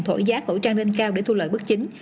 thổi giá khẩu trang lên cao để thu lợi bất chính